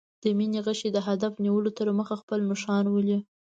د مینې غشی د هدف نیولو تر مخه خپل نښان ولي.